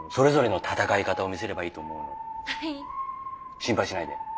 心配しないで。